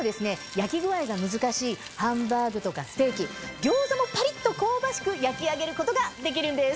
焼き具合が難しいハンバーグとかステーキ餃子もパリっと香ばしく焼き上げることができるんです。